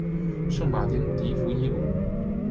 圣马丁迪富伊卢。